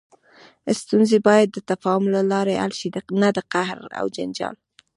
ستونزې باید د تفاهم له لارې حل شي، نه د قهر او جنجال.